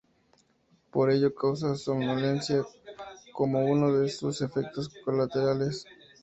Por ello causa somnolencia como uno de sus efectos colaterales.